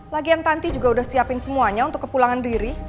lagi yang tanti juga udah siapin semuanya untuk ke pulangan riri